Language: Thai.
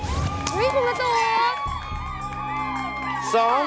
คุณกระตูก